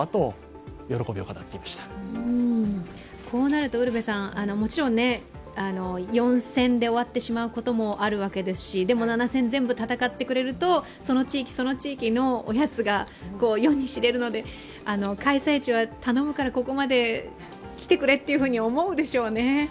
こうなるとウルヴェさん、もちろん４戦で終わってしまうこともあるわけですし、でも、７戦全部戦ってくれるとその地域その地域のおやつが世に知れるので開催地は頼むからここまで来てくれと思うでしょうね。